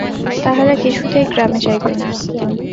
তাহারা কিছুতেই গ্রামে যাইবে না।